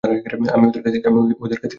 আমি ওদের কাছ থেকে পালাতে পারিনি।